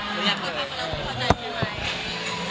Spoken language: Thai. มันเหมือนกับมันเหมือนกับมันเหมือนกับ